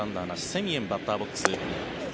セミエン、バッターボックス。